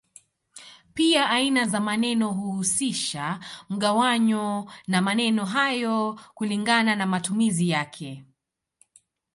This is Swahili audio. Pia aina za maneno huhusisha mgawanyo wa maneno hayo kulingana na matumizi yake.